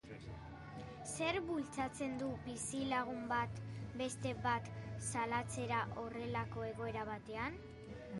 Zerk bultzatzen du bizilagun bat beste bat salatzera horrelako egoera batean?